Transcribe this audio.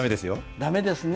だめですね。